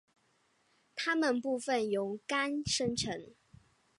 它们部分由肝生成。